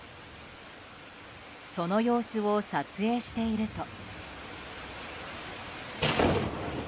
その様子を撮影していると。